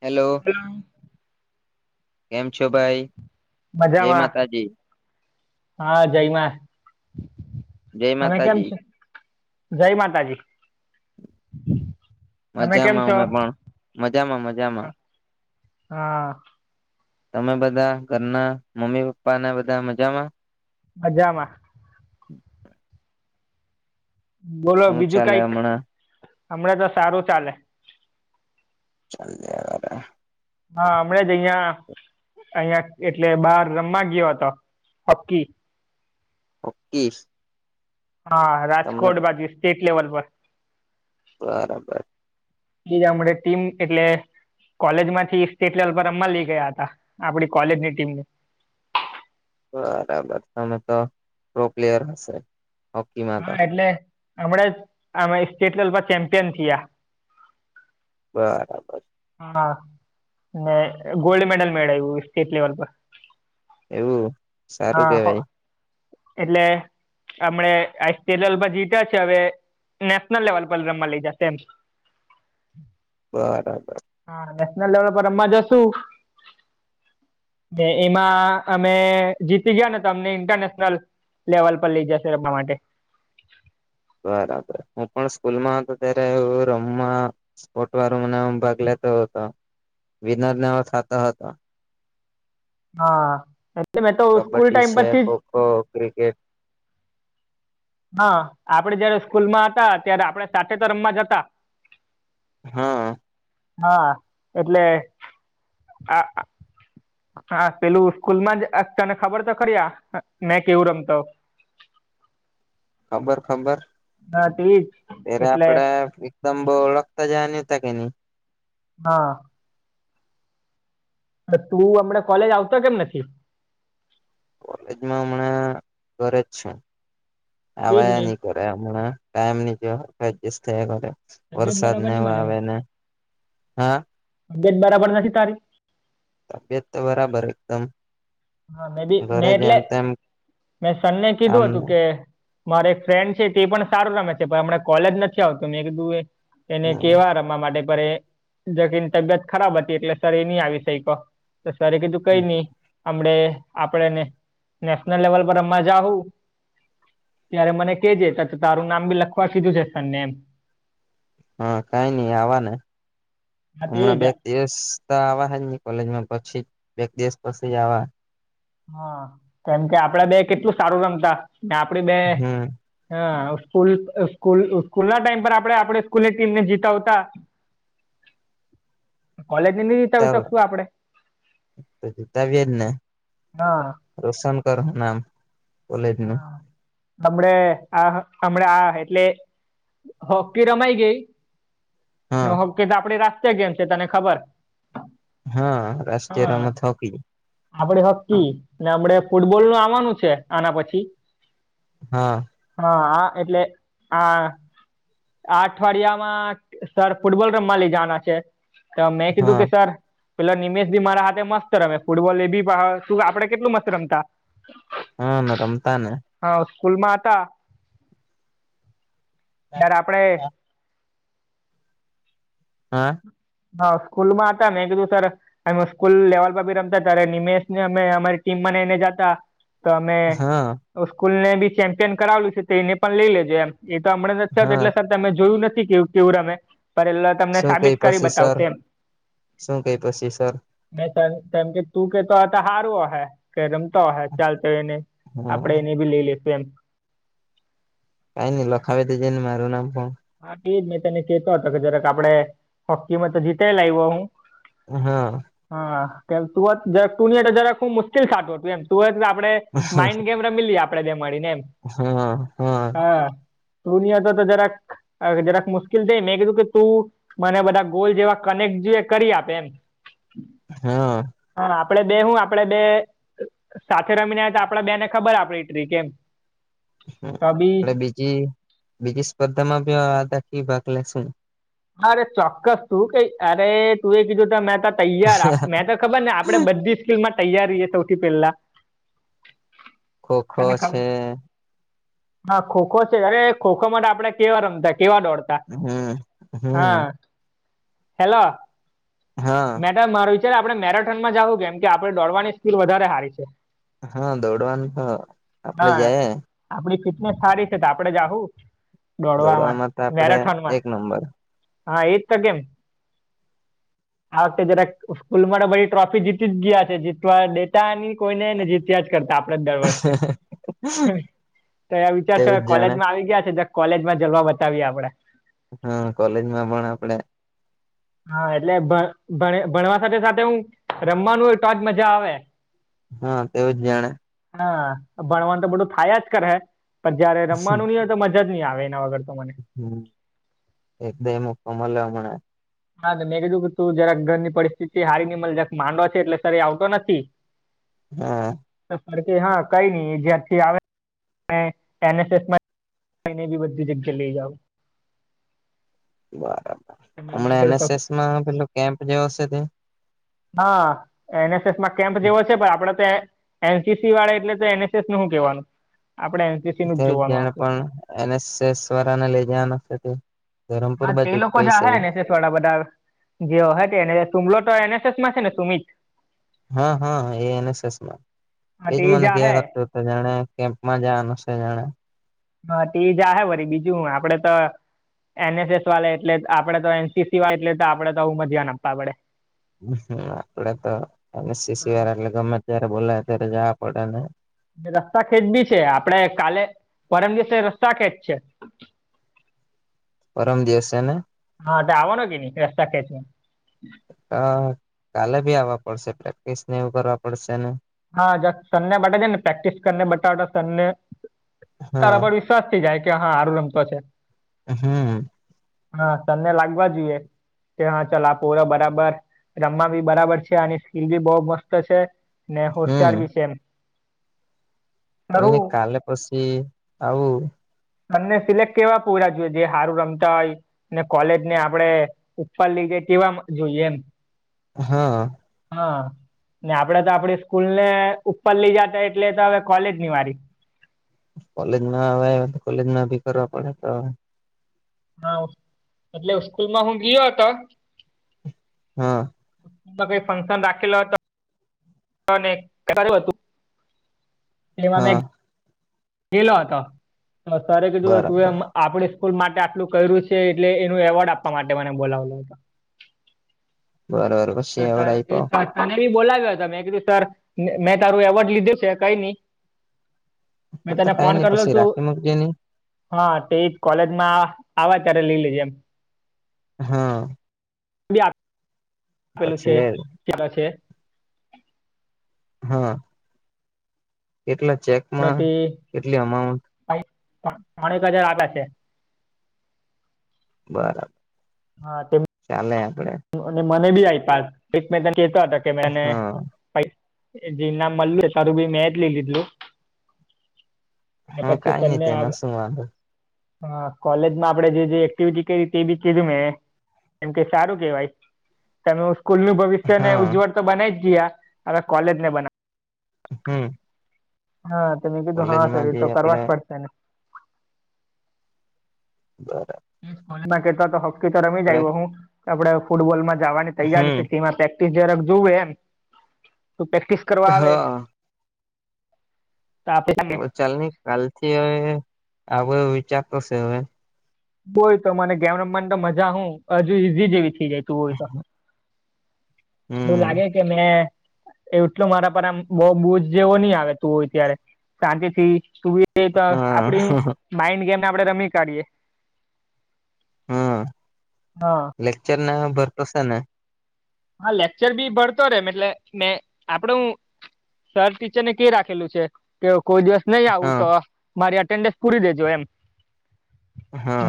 Hello કેમ છો ભાઈ? જય મજામાં માતાજી હા જયમાં. જય તમે કેમ માતાજી છો? જય માતાજી. તમે કેમ મજામાં છો અમે પણ મજામાં મજામાં. હા. તમે બધા ઘરના મમ્મી પપ્પાને બધા મજામાં? મજામાં. [inaudible] બોલો હું બીજું ચાલે કઈક હમણાં હમણાં તો સારું ચાલે. ચાલે [unintelligible] હા હમણા જ અહિયાં અહિયાં એટલે બાર રમવા ગયો હતો હોકી. હોકીસ હા રાજકોટ બાજુ સ્ટેટ લેવલ પર. બરાબર. બીજા મળે ટીમ એટલે. કોલેજ માંથી સ્ટેટ લેવલ પર રમવા લઈ ગયા હતા આપડી કોલેજની ટીમ ને. બરાબર તમે તો પ્રો પ્લેયર હશે? હોકીમાં હા તો એટલે હમણા જ અમે સ્ટેટ લેવલ પર ચેમ્પિયન થયા. બરાબર. હા ને ગોલ્ડ મેડલ મેળવ્યું સ્ટેટ લેવલ પર. એવું? સારું હા હ કેવાય એટલે હમણે આ સ્ટેટ લેવલ પર જીત્યા છે હવે. નેશનલ લેવલ પર રમવા લઈ જાશે એમ. બરાબર. હા નેશનલ લેવલ પર રમવા જશું. ને એમાં અમે જીતી ગયા ને તો તમને ઇન્ટરનેશનલ લેવલ પર લઇ જાશે રમવા માટે. બરાબર. હું પણ સ્કૂલમાં હતો ત્યારે એવું રમવા સ્પોટમાં રમવા આમ ભાગ લેતો હતો. વિનરને એવો થાતો હતો. હા એટલે મેં તો સ્કૂલ ટાઈમ પરથી જ ખો, ક્રિકેટ હા આપડે જયારે સ્કૂલમાં હતા ત્યારે આપણે સાથે તો રમમાં જતા. હહ હા એટલે આ હા પેલું સ્કૂલમાં જ આ તને ખબર તો ખરી આ મેં કેવું રમતો. ખબર ખબર હા તેજ ત્યારે એટલે આપડે એકદમ બહુ ઓળખતા જ આયા તા કે નહીં. હા તે તું હમને કોલેજ આવતો કેમ નથી? કોલેજમાં હમણાં ઘરે જ છું. તે જ આવા ને ની કર તે હમણાં ટાઈમ નહીં કો પ્રેક્ટિસ કરું રોતે. તબિયત વરસાદ બરાબર ને નહીં હવે મળે હું આવે ને. હા તબિયત બરાબર નથી તારી? તબિયત તો બરાબર એકદમ. હા મે બી મેં ઘરે એટલે જેમ તેમ મેં સર ને કામ કીધું હતું કે મારે એક ફ્રેન્ડ છે તે પણ સારું રમે છે પણ હમણા કોલેજ નથી આવતો મેં કીધું એ એને કેવા રમ મા માટે પણ એ જોકે એની તબિયત ખરાબ હતી એટલે સર એ નહી આવી સઈકો. તો સરે કીધું કઈ નહીં. હમણે આપડેને નેશનલ લેવલ પર રમવા જાહુ. ત્યારે મને કેજે તો ત તારું નામ બી લખવા કીધું છે સરને એમ. હા કઈ નઈ આવાને. હા તે હમણાં જ બે દિવસ તો આવા હજ નહી કોલેજમાં પછી બે એક દિવસ પછી આવા. હા કેમ કે આપડા બે કેટલું સારું રમતા ને આપડી બે હમ હા હવે સ્કૂલ સ્કૂલ સ્કૂલના ટાઈમ પર આપણે આપણે સ્કૂલની ટીમને જીતાવતા. કોલેજને ની જીતાવી જીતાવ શકશું આપડે? તો જીતાવી એજ ને. હા રોશન કર નામ. કોલેજ નુ હા હમણે આ હમણા આ એટલે હોકી રમાઈ ગઈ. હા ને હોકી તો આપડી રાષ્ટ્ર ગેમ છે તને ખબર. હા રાષ્ટ્રીય રમત હોકી. આપણે હોકી ને આપડે ફૂટબોલનું આવાનું છે. આના પછી હા. હા હા એટલે આ આ અઠવાડિયામાં સર ફૂટબોલ રમવા લઈ જવાના છે તો મેં કીધું હા કે સર પેલા નિમેષ ભી મારા હાથે મસ્ત રમે ફૂટબોલ એ બી શું આપડે કેટલું મસ્ત રમતા હા રમતાને હા સ્કૂલમાં હતા જાર આપડે હા. હા સ્કૂલ માં હતા ને કીધું સર અમે સ્કૂલ લેવલ પર ભી રમતા ત્યારે નિમેષ અમે અમારી ટીમ નેને જતા તમે હા સ્કૂલને બી ચેમ્પિયન કરાવેલું છે તો એને પણ લઈ લેજો એમ એ તો હમણાં નથી થત હા એટલે સર તમે જોયું નથી કેવું કેવું રમે પણ એટલે તમને શું કઈ સાબિત કરી પછી બ સર શું કઈ પછી સર ન કેમ કે તું કેતો હારવો હે કે રમતો હોય ચાલ તો એને હા આપડે એને ભી લઈ લેશું એમ કા ની લખાવી દેજે ને મારુ નામ પણ હા એ જ મેં તને કતો હતો કે જરાક આપડે હોકીમાં તો જીતા લાવ્યો હું હા. હા કેમ તુ હોત જ તુંની જરાક હું મુશ્કેલ સાતું હતું એમ આપે માઇન્ડ ગેમ ફેમીલી આપે મળી ને એમ હા. હા. દુનિયા તો જરાક હ જરાક મુશ્કેલ થઈ મેં કીધું કે તું મને બધા ગોલ જેવા કનેક્ટ જો કરી આપે એમ [inaudible] હા હા આપડે બે હું આપડે બે સાથે રમીને તો આપડા બે ને ખબર આપડીટ્રી કેમ હા આપડે બીજી બીજી સ્પર્ધામાં બી આ દખી ભાગ લેેશું અરે ચોક્કસ તું ક અરે તું એ કીધું તો મે ત તૈયાર આપ મેં તો ખબર ને આપડે બધી સ્કીલ માં તૈયારીએ સૌથી પેલા. ખોખો ખબર છે. હા ખોખો છે અરે ખોખો માટે આપડે કેવા રમતા કેવા દોડતા. હમ. હમ હા હેલો. હા. માર છે ને આપણે મેરાથોન માં જવું કેમ કે આપડણે દોડવાની સ્કીિલ વધારે હારી છે. હા દોડવાનું તો આપડે જાય. આપડી ફિટનેસ સારી છે તો આપડે જાઉ. દોડવામાં તો આપડે મેરેથોન માં એક નંબર હા એજ તો કેમ. આ વખતે જય સ્કૂલ બધી ટ્રોફી જીતી જ ગયા છે જીતવા ડે તાની કોઈને ને જીત્યા જ કરતા આપડે જ દર વર્ષે. તો એ વિચાર છે તેવું જ જાણે કોલેજમાં આવી ગયા છે. કોલેજ માં જલવા બતાવીએ આપડે. હા કોલેજ માં પણ આપડે. હા એ. એટલે ભ ભણવા સાથે સાથે હું રમવાનું ટોચ મજા આવે હા તેવું જ જાણે. હા ભણવાન તો બધું થયા જ કર હે પણ જયારે રમવાનું નહી તો મજા જ નહી આવે એના વગર તો મને. હમ એકદા એમ કમર લેવા મણા હા મેં કીધું કે તું જરાક ઘરની પરિસ્થિતિ હારી ની જક માંડવા છે એટલે શ એ આવતો નથી. હા ફડકે હા કઈ નઈ જે અચછી આવે એનએસએસમાંને બી બધી જગ્યા લઈ જાવ. બરાબર તો મેં બી હમણા કીધું, એનએસએસમાં પેલો કેમ્પ જે હશે તે હા એનએસએસમાં કેમ્પ જેવો છે પણ આપડે ત્યા એનસીસી વાળા એટલે એનએસએસ નું શું કહેવાનું? આપડે એનસીસી તે નું જ જોવાનું જેને આપણું પણ એનએસસ વરાને લઈ જવાનું હા એ લોકો જે હ ને થોડા બધા જેઓ હોને તુલો તો એનએસએસ માં છે ને સુમિત? હા હા એ એનએસસમાં હા તે એજ ઈ મને ક જાહે કરતો જણે કેમ્પ માં જવાનું છે જણે હા ટીવી જ હ વરી બીજું આપડે તો એનએસએસ વાળા એટલે આપડે તો એનસીસી વાળ એટલે તો આપણે તો પર જ્યાન આપવા પડે. આપડે તો એ સસી વાળા એટલે ગમે જયારે બોલા ત્યારે જવા પડે ને રસ્તા ખેંચ બી છે આપડે કાલે પરમ દિવસ રસ્તા ખેંચ છે. [inaudible] પરમ દિવસ છે ને? હા તે આવોનો કે ન રસ્તા ખેચ હ કાલે બ ભી આવવા પડશે પ્રેક્ટિસ ને એવું કરવા પડશે ને? હા સનને માટે જ ને પ્રેક્ટિસ કરીને બટાટા સનને હા કરબર વિશ્વાસ થઈ જાય કે હા આારું રમતો છે. હમ હા તમને લાગવા જોઈએ. તે હા ચાલ આ પોરો બરાબર રમવા બી બરાબર છે. અને સ્કીલ બી બહુ મસ્ત છે. ને હમ હોશિયાર બી છે એમ. સર એ હું કાલે પછી આવુ? તમને સિલેક્ટ કેવા પૂરા જોઈએ જે સારું રમતા હોય અને કોલેજ ને આપડણે ઉપર લઈધ કેવા જોઈએ એમ. હા હા ને આપડે તો આપડી સ્કૂલ ને ઉપર લઈ જતા એટલે તો હવે કોલેજ ની વારી. કોલેજમાં આવે કોલેજ માં ભી કરવા પડે તો હા એટલે સ્સ્કૂલમાં હું ગયો હતો હા કઈ ફંક્શન રાખે તો હતું [inaudible] એ હા [inaudible] ખેલા હતા સરે કે ધું બરાબર તું આપડે સ્કૂલ માટે આટલું કર્યું છે એટલે એનું એવોર્ડ આપવા માટે મને બોલાવલો. બરોબર તો પછી એવડ એ આપ સા [inaudible] અનેને બી બોલાવ્યો હતો મેં કીધું સર મેં તારું એવોર્ડ લીધું છે કઈ નઈ હ મેં તો તને કઈ ફોન નઈ કર્યો પછી તું રાખી મૂકજે નહી હા તે જ કોલેજમાં આવે ત્યારે લઈ લેજે એમ. હા બી [unintelligible] આપેલું પછી છે લે કેવા છે? હા કેટલા ચેક ત્રણેક હજાર આપ્યા છે. બરાબર હા તમ ચાલે આપડે. અને મને બી આઈપા એક મેં તને કહેતા હતા કે મને હા જે નામ મળ્યું સારું ભી મેં જ લઈ લીધલું. ને હા પછી કઈ નઈ તમને આ તેમાં શું વાંધો હા કોલેજમાં આપડે જે જે એક્ટિવિટી કરી તે બી કીધું મે કેમ કે સારું કેવાય. તમે સ્કૂલ નું ભવિષ્ય ને હા ઉજ્જવળ તો બનાવી જ ગયા હવે કોલેજ ને બનાવ. હમ્મ. હા તો મેં કીધું હા સર એ બી તો કરવા આપડે જ પડશે ને. બરા [unintelligible] કેતોય તો હોકી તો રમી જાય હું આપડે ફૂટબોલમાં જવાની તૈયારી હમ છે તેમાં પ્રૅ ટીસ જરાક જોવે એમ, તો પ્રેક્ટિસ કરવા આવે. હા તો આપે તમે. ચાલ ની કાલ થી હવે આવો વિચાર કરશે હવે. બોય તો મને ગેમ રમવાન તો મજા હું હજુ ઈઝી જેવી થઈ જાય તું હોય તો. એવુ હમ લાગે કે મેં એટલો મારા પર આમ બવ બુજ જેવો નહી આવે તું હોયત્યારે સાચેથી તું. તે તો હા આપડી શું માઈન્ડ ગેમને આપણેે રમી કાઢીએ. હા હા. લેક્ચર ના ભરતો સેને. હા લેક્ચર બી ભરતો રે એમ એટલે મે આપડો હું સર ટીચર ને કે રાખેલું છે કે કોઈ દિવસ નહી આવું હા તો મારી એટેન્ડન્સ પૂરી દેજો એમ.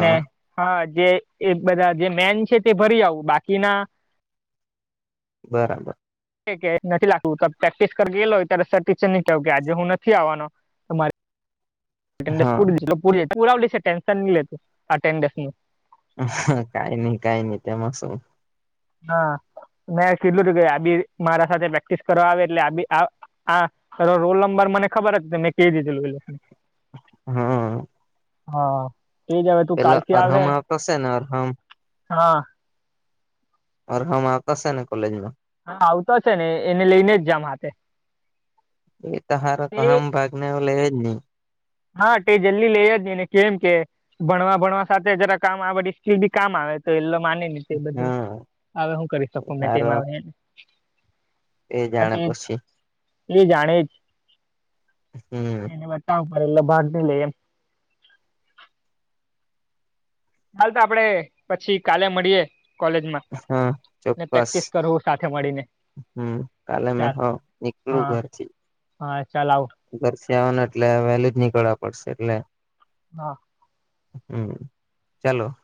ને હા જે એ બધા જે મેન છે તે ભરી આવું બાકીના બરાબર. કે નથી લખવું તો પ્રેક્ટિસ કર એલો ત્યારે સર ટીચર ને કહું કે આજે હું નથી આવવાનો મારે અટેન્ડેસ હા પૂરી પુરાવલી ટેન્શન ની લેતું અત્તેન્દેસનુ. કાઈ ની કાંઈ ની તેમાં સુ. હા મે કીધલું કે આદી મારા સાથે પ્રેક્ટિસ કરવા આવે એટલે આદી આ આ રોલ નંબર મને ખબર જ ની મેં કઈ દીધલુ એ લોકને. હ. હા એ જ હવે તું પેલા કાલથી આવે? અરહમ આવતો શે ને અરહમ હા. અર્હમ આવતો શે ને કોલેજમાં? હા આવતો છે ને એને લઈને જ જામ હાથે. એ તો હારો તે તામ ભાગને એવ લે જ નહી. હા તે જલ્દી લેઈ જ ની ને કેમ કે. ભણવા ભણવા સાથે જરા કામ આવે સ્કીલ બી કામ આવે તો એલે માને ની. તે બધું હા હવ હું કરી શકું મે હારો તેમાં આવે. એ જાણે પછી. એ જાણે જ, હમ એને બતાઉ પર એટલે ભાગ ની લઈ એમ. ચાલ તો આપડે પછી કાલે મળીએે. હા કોલેજમાં પ્રેક્ટિસ કરું સાથે મળીને. હમ્મ, કાલે મેં ચાલ હો એકલું હા ઘરથી. હા ચાલ આઉ. ધેરથી આવાનું એટલે વહેલ જ નીકળવા પડશે એટલે. હા. હમ્મ, ચાલો.